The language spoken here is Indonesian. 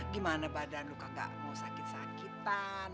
gimana badan lu kagak mau sakit sakitan